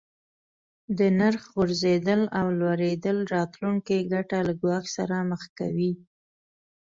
د نرخ غورځیدل او لوړیدل راتلونکې ګټه له ګواښ سره مخ کوي.